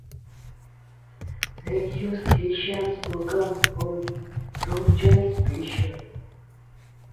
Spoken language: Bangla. রেডিও স্টেশন স্লোগান হল "রমজান স্পেশাল"।